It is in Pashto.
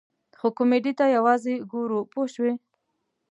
خو کمیډۍ ته یوازې ګورو پوه شوې!.